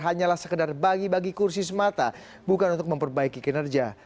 hanyalah sekedar bagi bagi kursi semata bukan untuk memperbaiki kinerja